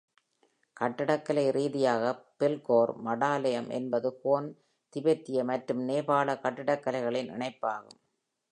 கட்டடக்கலை ரீதியாக, பெல்கோர் மடாலயம் என்பது ஹான், திபெத்திய மற்றும் நேபாள கட்டிடக்கலைகளின் இணைப்பாகும்.